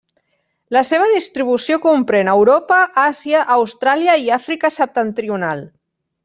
La seva distribució comprèn Europa, Àsia, Austràlia i Àfrica Septentrional.